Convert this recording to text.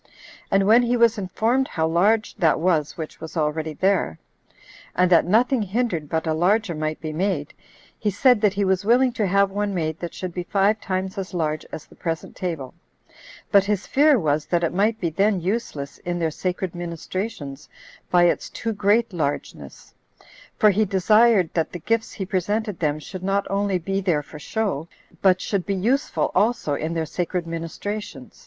And when he was informed how large that was which was already there, and that nothing hindered but a larger might be made, he said that he was willing to have one made that should be five times as large as the present table; but his fear was, that it might be then useless in their sacred ministrations by its too great largeness; for he desired that the gifts he presented them should not only be there for show, but should be useful also in their sacred ministrations.